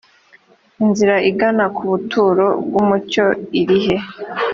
inzira igana ku buturo bw umucyo iri he